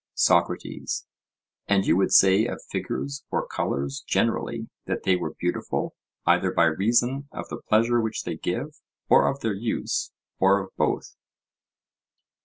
SOCRATES: And you would say of figures or colours generally that they were beautiful, either by reason of the pleasure which they give, or of their use, or of both?